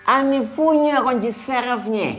ini punya kunci serafnya